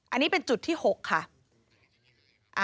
อันนี้เป็นจุดที่๖ค่ะ